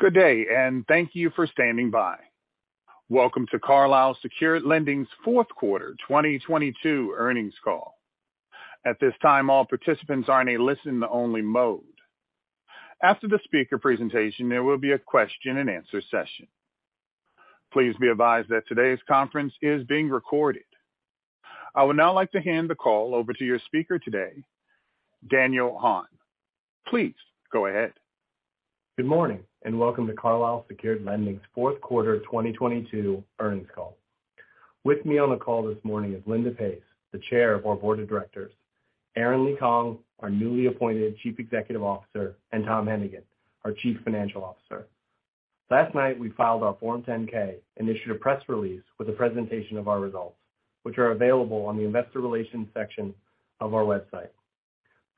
Good day. Thank you for standing by. Welcome to Carlyle Secured Lending's fourth quarter 2022 earnings call. At this time, all participants are in a listen only mode. After the speaker presentation, there will be a question-and-answer session. Please be advised that today's conference is being recorded. I would now like to hand the call over to your speaker today, Daniel Hahn. Please go ahead. Good morning, welcome to Carlyle Secured Lending's fourth quarter 2022 earnings call. With me on the call this morning is Linda Pace, the Chair of our Board of Directors, Aren LeeKong, our newly appointed Chief Executive Officer, and Tom Hennigan, our Chief Financial Officer. Last night, we filed our Form 10-K and issued a press release with a presentation of our results, which are available on the investor relations section of our website.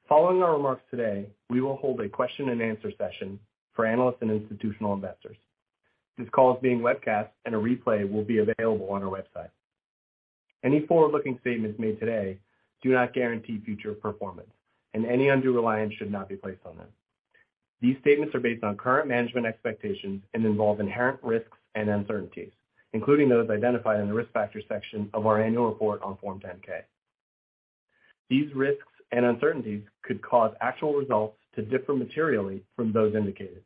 Following our remarks today, we will hold a question-and-answer session for analysts and institutional investors. This call is being webcast, and a replay will be available on our website. Any forward-looking statements made today do not guarantee future performance, and any undue reliance should not be placed on them. These statements are based on current management expectations and involve inherent risks and uncertainties, including those identified in the risk factors section of our annual report on Form 10-K. These risks and uncertainties could cause actual results to differ materially from those indicated.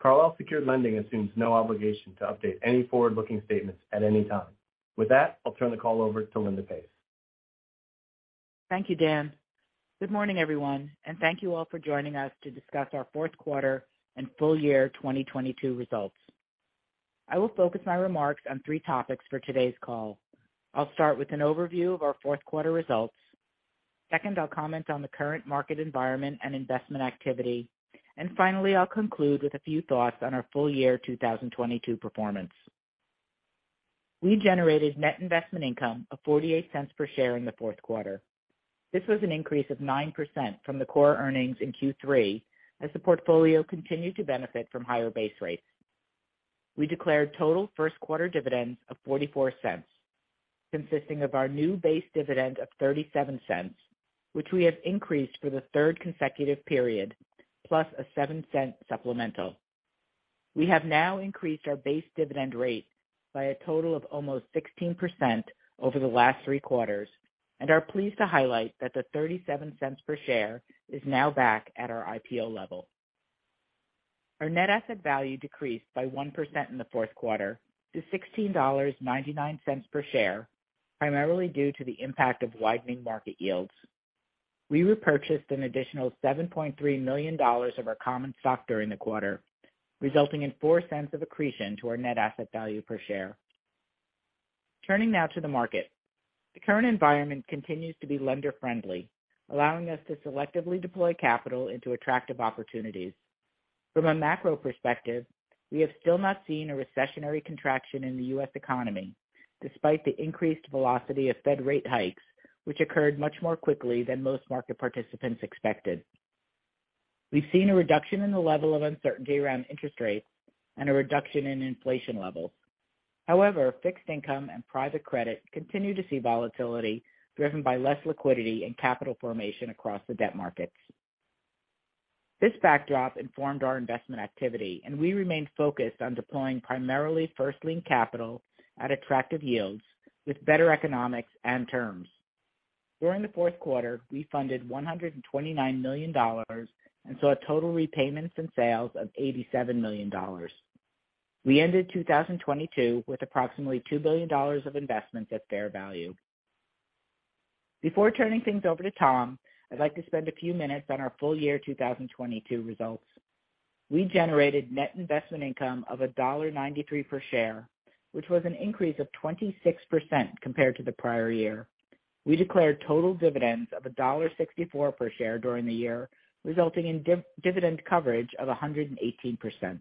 Carlyle Secured Lending assumes no obligation to update any forward-looking statements at any time. With that, I'll turn the call over to Linda Pace. Thank you, Dan. Good morning, everyone, and thank you all for joining us to discuss our fourth quarter and full year 2022 results. I will focus my remarks on three topics for today's call. I'll start with an overview of our fourth quarter results. Second, I'll comment on the current market environment and investment activity. Finally, I'll conclude with a few thoughts on our full year 2022 performance. We generated net investment income of $0.48 per share in the fourth quarter. This was an increase of 9% from the core earnings in Q3 as the portfolio continued to benefit from higher base rates. We declared total first quarter dividends of $0.44, consisting of our new base dividend of $0.37, which we have increased for the third consecutive period, plus a $0.07 supplemental. We have now increased our base dividend rate by a total of almost 16% over the last three quarters and are pleased to highlight that the $0.37 per share is now back at our IPO level. Our net asset value decreased by 1% in the fourth quarter to $16.99 per share, primarily due to the impact of widening market yields. We repurchased an additional $7.3 million of our common stock during the quarter, resulting in $0.04 of accretion to our net asset value per share. Turning now to the market. The current environment continues to be lender-friendly, allowing us to selectively deploy capital into attractive opportunities. From a macro perspective, we have still not seen a recessionary contraction in the U.S. economy despite the increased velocity of Fed rate hikes, which occurred much more quickly than most market participants expected. We've seen a reduction in the level of uncertainty around interest rates and a reduction in inflation levels. However, fixed income and private credit continue to see volatility driven by less liquidity and capital formation across the debt markets. This backdrop informed our investment activity, and we remained focused on deploying primarily first lien capital at attractive yields with better economics and terms. During the fourth quarter, we funded $129 million and saw total repayments and sales of $87 million. We ended 2022 with approximately $2 billion of investments at fair value. Before turning things over to Tom, I'd like to spend a few minutes on our full year 2022 results. We generated net investment income of $1.93 per share, which was an increase of 26% compared to the prior year. We declared total dividends of $1.64 per share during the year, resulting in dividend coverage of 118%.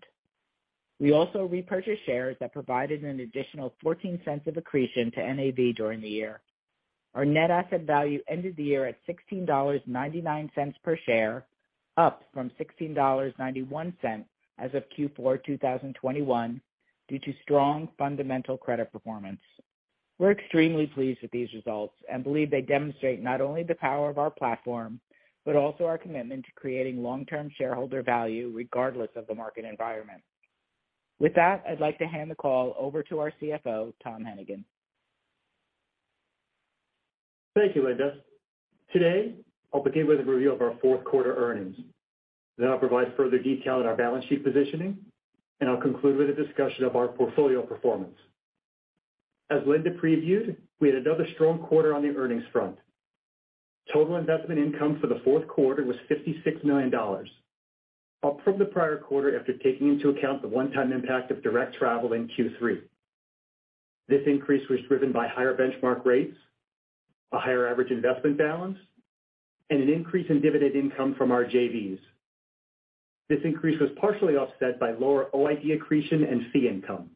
We also repurchased shares that provided an additional $0.14 of accretion to NAV during the year. Our net asset value ended the year at $16.99 per share, up from $16.91 cent as of Q4 2021 due to strong fundamental credit performance. We're extremely pleased with these results and believe they demonstrate not only the power of our platform, but also our commitment to creating long-term shareholder value regardless of the market environment. With that, I'd like to hand the call over to our CFO, Tom Hennigan. Thank you, Linda. Today, I'll begin with a review of our fourth quarter earnings. I'll provide further detail on our balance sheet positioning, and I'll conclude with a discussion of our portfolio performance. As Linda previewed, we had another strong quarter on the earnings front. Total investment income for the fourth quarter was $56 million, up from the prior quarter after taking into account the one-time impact of Direct Travel in Q3. This increase was driven by higher benchmark rates, a higher average investment balance, and an increase in dividend income from our JVs. This increase was partially offset by lower OID accretion and fee income.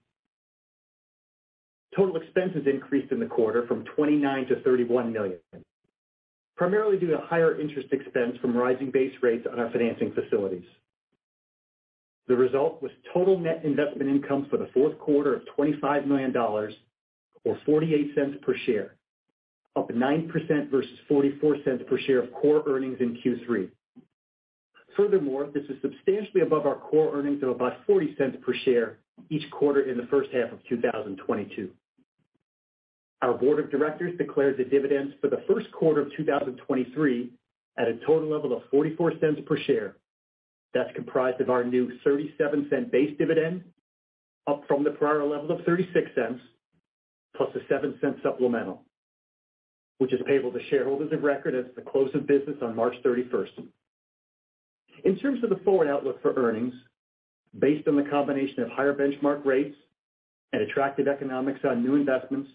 Total expenses increased in the quarter from $29 million-$31 million, primarily due to higher interest expense from rising base rates on our financing facilities. The result was total net investment income for the fourth quarter of $25 million, or $0.48 per share. Up 9% versus $0.44 per share of core earnings in Q3. This is substantially above our core earnings of about $0.40 per share each quarter in the first half of 2022. Our Board of Directors declared the dividends for the first quarter of 2023 at a total level of $0.44 per share. That's comprised of our new $0.37 base dividend, up from the prior level of $0.36, plus a $0.07 supplemental, which is payable to shareholders of record as the close of business on March 31st. In terms of the forward outlook for earnings, based on the combination of higher benchmark rates and attractive economics on new investments,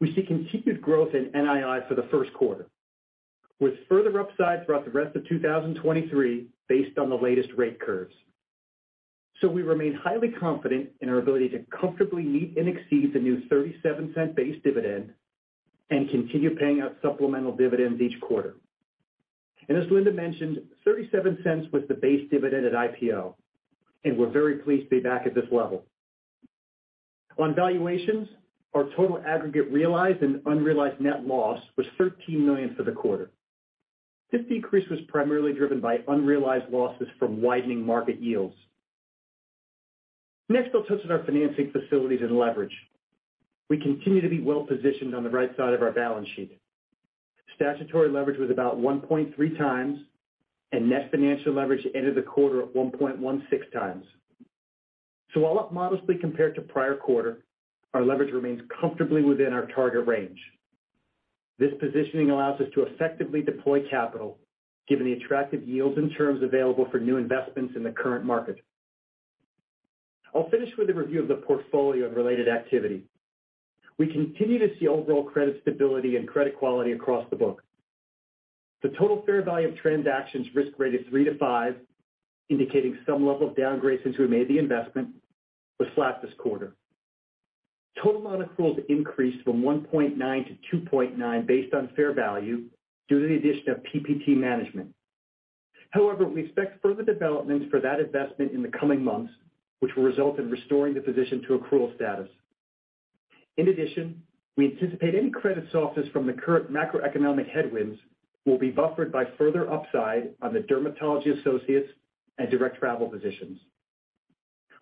we see continued growth in NII for the first quarter, with further upside throughout the rest of 2023 based on the latest rate curves. We remain highly confident in our ability to comfortably meet and exceed the new $0.37 base dividend and continue paying out supplemental dividends each quarter. As Linda mentioned, $0.37 was the base dividend at IPO, and we're very pleased to be back at this level. On valuations, our total aggregate realized and unrealized net loss was $13 million for the quarter. This decrease was primarily driven by unrealized losses from widening market yields. Next, I'll touch on our financing facilities and leverage. We continue to be well-positioned on the right side of our balance sheet. Statutory leverage was about 1.3x, and net financial leverage ended the quarter at 1.16x. While up modestly compared to prior quarter, our leverage remains comfortably within our target range. This positioning allows us to effectively deploy capital given the attractive yields and terms available for new investments in the current market. I'll finish with a review of the portfolio and related activity. We continue to see overall credit stability and credit quality across the book. The total fair value of transactions risk-rated 3 to 5, indicating some level of downgrade since we made the investment, was flat this quarter. Total amount accruals increased from 1.9% to 2.9% based on fair value due to the addition of PPT Management. However, we expect further developments for that investment in the coming months, which will result in restoring the position to accrual status. In addition, we anticipate any credit softness from the current macroeconomic headwinds will be buffered by further upside on the Dermatology Associates and Direct Travel positions.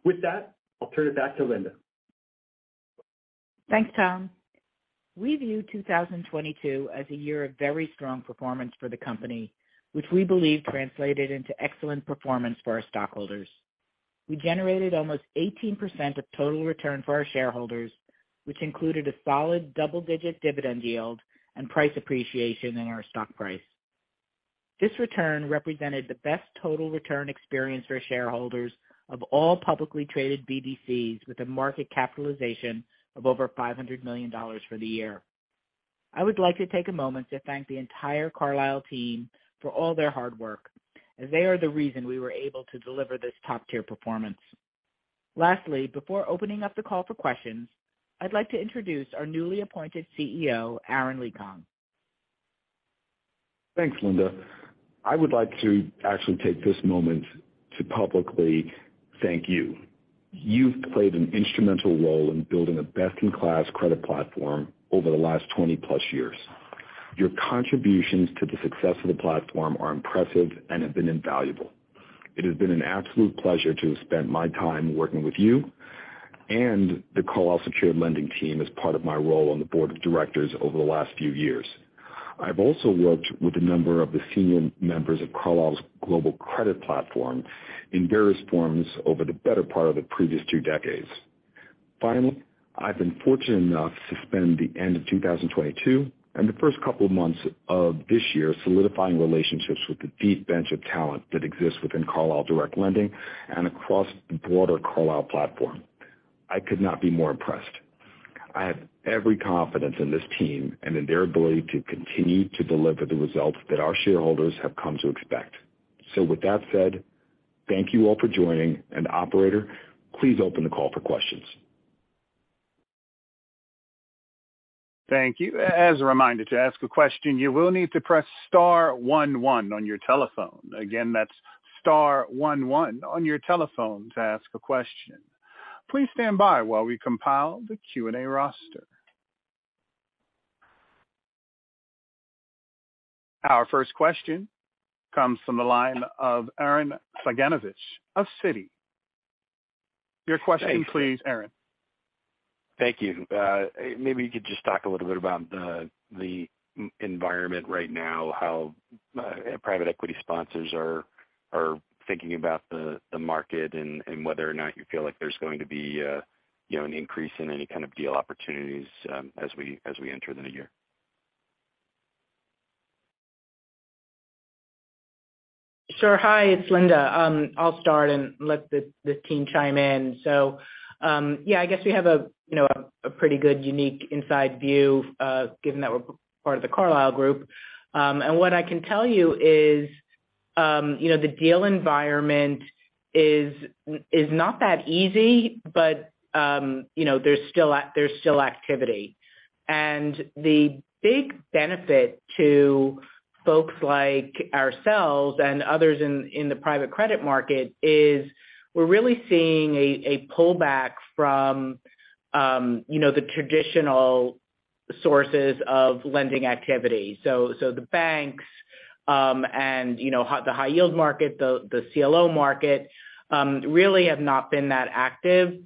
With that, I'll turn it back to Linda. Thanks, Tom. We view 2022 as a year of very strong performance for the company, which we believe translated into excellent performance for our stockholders. We generated almost 18% of total return for our shareholders, which included a solid double-digit dividend yield and price appreciation in our stock price. This return represented the best total return experience for shareholders of all publicly traded BDCs with a market capitalization of over $500 million for the year. I would like to take a moment to thank the entire Carlyle team for all their hard work, as they are the reason we were able to deliver this top-tier performance. Lastly, before opening up the call for questions, I'd like to introduce our newly appointed CEO, Aren LeeKong. Thanks, Linda. I would like to actually take this moment to publicly thank you. You've played an instrumental role in building a best-in-class credit platform over the last 20+ years. Your contributions to the success of the platform are impressive and have been invaluable. It has been an absolute pleasure to have spent my time working with you and the Carlyle Secured Lending team as part of my role on the Board of Directors over the last few years. I've also worked with a number of the senior members of Carlyle's global credit platform in various forms over the better part of the previous two decades. Finally, I've been fortunate enough to spend the end of 2022 and the first couple of months of this year solidifying relationships with the deep bench of talent that exists within Carlyle Direct Lending and across the broader Carlyle platform. I could not be more impressed. I have every confidence in this team and in their ability to continue to deliver the results that our shareholders have come to expect. With that said, thank you all for joining. Operator, please open the call for questions. Thank you. As a reminder, to ask a question, you will need to press star one one on your telephone. Again, that's star one one on your telephone to ask a question. Please stand by while we compile the Q&A roster. Our first question comes from the line of Arren Cyganovich of Citi. Your question please, Arren. Thank you. Maybe you could just talk a little bit about the environment right now, how private equity sponsors are thinking about the market, and whether or not you feel like there's going to be, you know, an increase in any kind of deal opportunities, as we enter the new year? Sure. Hi, it's Linda. I'll start and let the team chime in. Yeah, I guess we have a, you know, a pretty good unique inside view, given that we're part of The Carlyle Group. What I can tell you is, you know, the deal environment is not that easy, but, you know, there's still activity. The big benefit to folks like ourselves and others in the private credit market is we're really seeing a pullback from, you know, the traditional sources of lending activity. The banks, and, you know, the high yield market, the CLO market, really have not been that active.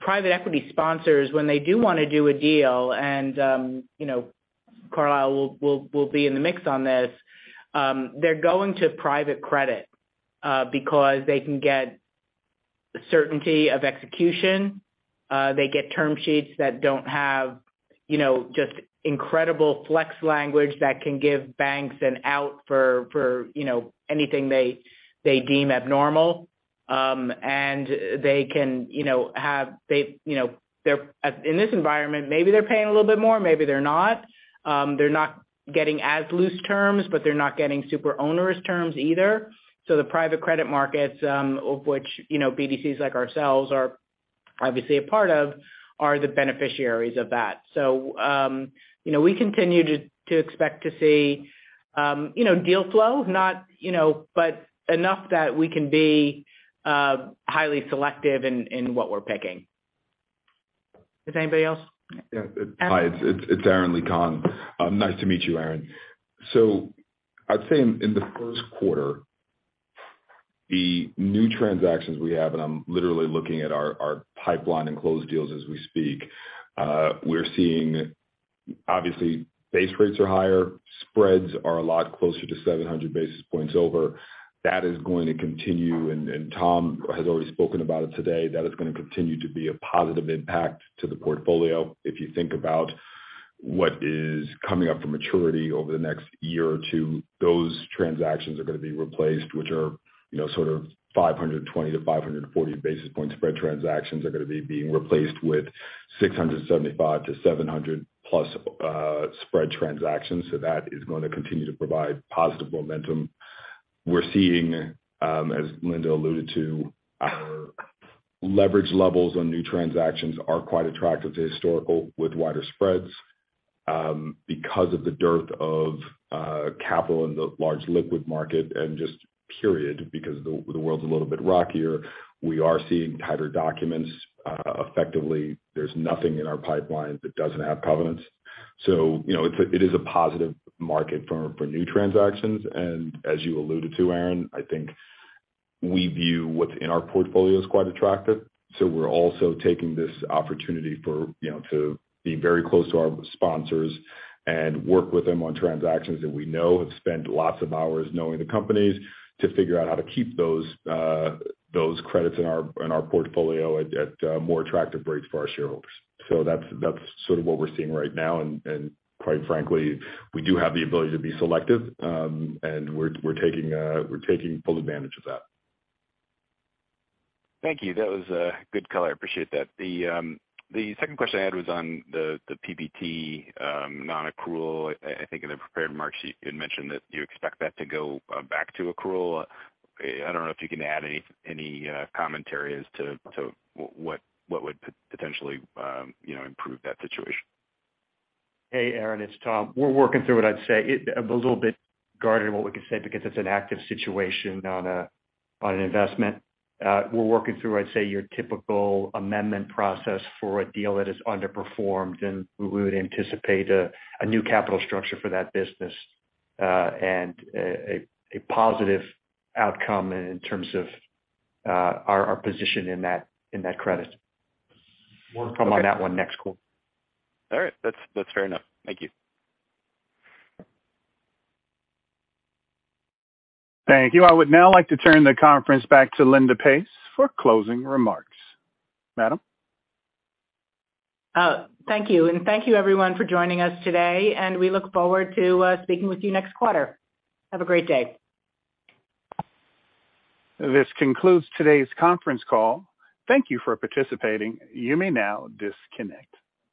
Private equity sponsors, when they do wanna do a deal and, you know, Carlyle will be in the mix on this, they're going to private credit, because they can get certainty of execution. They get term sheets that don't have, you know, just incredible flex language that can give banks an out for, you know, anything they deem abnormal. They can, you know, they're In this environment, maybe they're paying a little bit more, maybe they're not. They're not getting as loose terms, but they're not getting super onerous terms either. The private credit markets, of which, you know, BDCs like ourselves are obviously a part of, are the beneficiaries of that. You know, we continue to expect to see, you know, deal flow, not, you know, but enough that we can be highly selective in what we're picking. Does anybody else? Yeah. Aren? Hi, it's Aren LeeKong. Nice to meet you, Arren. I'd say in the first quarter, the new transactions we have, and I'm literally looking at our pipeline and closed deals as we speak, we're seeing obviously base rates are higher, spreads are a lot closer to 700 basis points over. That is going to continue, and Tom has already spoken about it today, that it's gonna continue to be a positive impact to the portfolio. If you think about what is coming up for maturity over the next year or two, those transactions are gonna be replaced, which are, you know, sort of 520-540 basis point spread transactions are gonna be being replaced with 675-700+ spread transactions. That is gonna continue to provide positive momentum. We're seeing, as Linda alluded to, our leverage levels on new transactions are quite attractive to historical with wider spreads, because of the dearth of capital in the large liquid market and just period because the world's a little bit rockier. We are seeing tighter documents, effectively. There's nothing in our pipeline that doesn't have covenants. You know, it is a positive market for new transactions. As you alluded to, Arren, I think we view what's in our portfolio as quite attractive. We're also taking this opportunity for, you know, to be very close to our sponsors and work with them on transactions that we know have spent lots of hours knowing the companies, to figure out how to keep those credits in our portfolio at more attractive rates for our shareholders. That's sort of what we're seeing right now. Quite frankly, we do have the ability to be selective, and we're taking full advantage of that. Thank you. That was good color. I appreciate that. The second question I had was on the PPT non-accrual. I think in the prepared mark sheet, you'd mentioned that you expect that to go back to accrual. I don't know if you can add any commentary as to what would potentially, you know, improve that situation. Hey, Arren, it's Tom. We're working through it, I'd say. A little bit guarded on what we can say because it's an active situation on an investment. We're working through, I'd say, your typical amendment process for a deal that has underperformed, and we would anticipate a new capital structure for that business, and a positive outcome in terms of our position in that credit. Okay. More to come on that one next call. All right. That's fair enough. Thank you. Thank you. I would now like to turn the conference back to Linda Pace for closing remarks. Madam? Thank you. Thank you everyone for joining us today, and we look forward to speaking with you next quarter. Have a great day. This concludes today's conference call. Thank Thank you for participating. You may now disconnect.